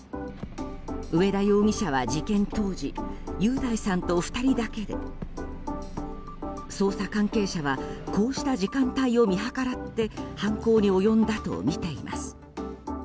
上田容疑者は事件当時雄大さんと２人だけで捜査関係者はこうした時間帯を見計らって犯行に及んだとみています。